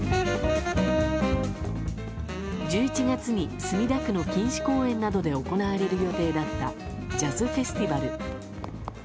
１１月に墨田区の錦糸公園などで行われる予定だったジャズフェスティバル。